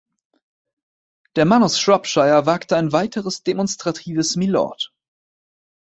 Der Mann aus Shropshire wagt ein weiteres demonstratives „Mylord!“